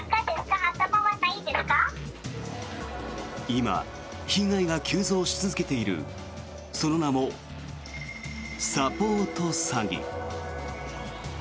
今、被害が急増し続けているその名も、サポート詐欺。